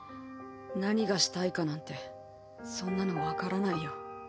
何がしたいかなんてそんなの分からないよ。